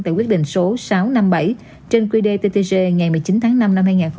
tại quyết định số sáu trăm năm mươi bảy trên quy đề ttg ngày một mươi chín tháng năm năm hai nghìn hai mươi ba